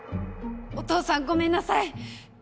お父さんごめんなさい。